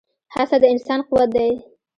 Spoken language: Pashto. هڅه د انسان قوت دی.